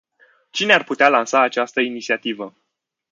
Cine ar putea lansa această inițiativă?